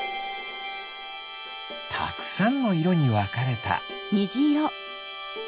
たくさんのいろにわかれた。